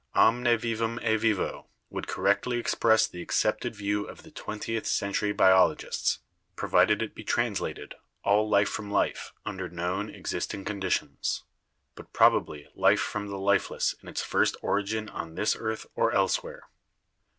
'Omne vivum e vivo' would correctly express the accepted view of the twentieth century biologists, provided it be translated 'all life from life' under known existing conditions, but probably life from the lifeless in its first origin on this earth or elsewhere.